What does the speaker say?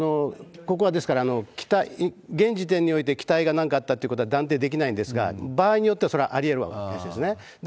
ここは、ですから、現時点において機体がなんかあったということは断定できないんですが、場合によっては、それはありえるわけですね。